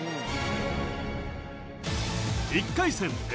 １回戦Ａ